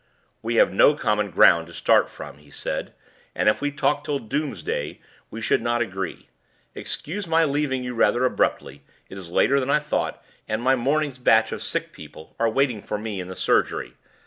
"We have no common ground to start from," he said; "and if we talk till doomsday, we should not agree. Excuse my leaving you rather abruptly. It is later than I thought; and my morning's batch of sick people are waiting for me in the surgery.